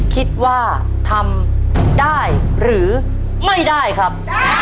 คิดว่าทำได้หรือไม่ได้ครับ